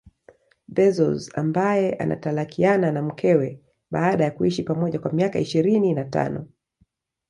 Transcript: Bezoz ambaye anatalakiana na mkewe baada ya kuishi pamoja kwa miaka ishirini na tano